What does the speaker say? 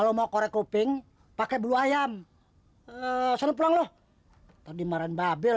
weeks ini makasih margaret